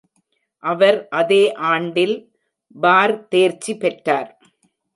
அவர் அதே ஆண்டில் பார் தேர்ச்சி பெற்றார்.